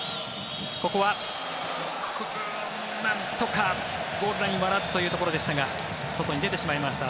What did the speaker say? ここはなんとかゴールラインを割らずというところでしたが外に出てしまいました。